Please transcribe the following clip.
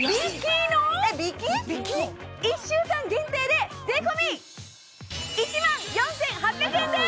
１週間限定で税込１万４８００円です！